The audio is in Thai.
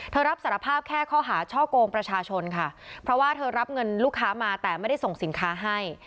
เธอรับสารภาพแค่ข้อหาช่อกงประชาชนค่ะเพราะว่าเธอรับเงินลูกค้ามาแต่ไม่ได้ส่งสินค้าให้